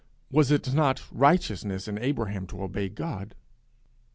Was it not righteous in Abraham to obey God?